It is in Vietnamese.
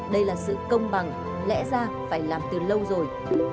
đây là sự công bằng lẽ ra phải làm từ lâu rồi